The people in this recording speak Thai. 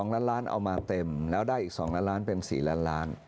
ล้านล้านเอามาเต็มแล้วได้อีก๒ล้านล้านเป็น๔ล้านล้าน